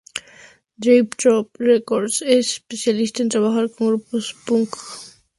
Drive-Thru Records se especializa en trabajar con grupos punk pop.